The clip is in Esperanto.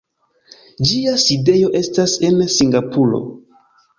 Ĝia sidejo estas en Singapuro.